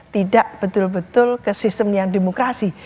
tidak betul betul ke sistem yang demokrasi